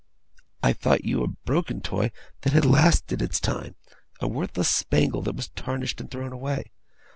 I thought you a broken toy that had lasted its time; a worthless spangle that was tarnished, and thrown away.